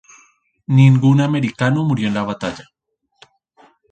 Ningún americano murió en la batalla.